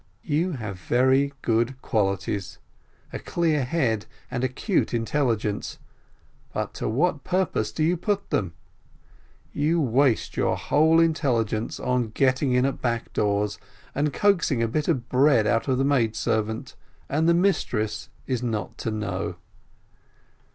You have very good qualities, a clear head, and acute intelligence. But to what purpose do you put them ? You waste your whole intelligence on get ting in at backdoors and coaxing a bit of bread out of the maidservant, and the mistress is not to know.